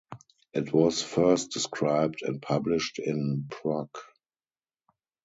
It was first described and published in Proc.